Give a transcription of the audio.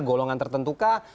golongan tertentu kah